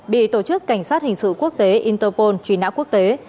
bị tổ chức cảnh sát hình sự quốc tế interpol truy nã quốc tế